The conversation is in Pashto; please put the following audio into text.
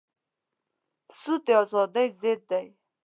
سود د ازادۍ ضد دی.